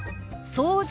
「掃除」。